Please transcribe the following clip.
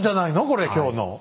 これ今日の。